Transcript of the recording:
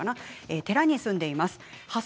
寺に住んでいます。